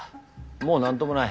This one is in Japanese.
もう何ともない。